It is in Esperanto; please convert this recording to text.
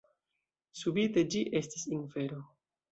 Subite ĝi estis infero.